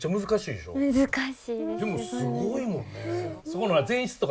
でもすごいもんね。